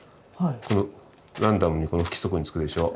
ランダムに不規則につくでしょ？